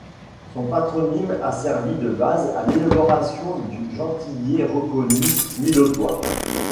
Son patronyme a servi de base à l'élaboration du gentilé reconnu Milotois.